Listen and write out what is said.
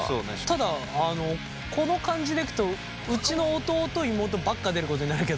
ただこの感じでいくとうちの弟妹ばっか出ることになるけど。